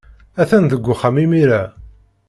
Atan deg uxxam imir-a.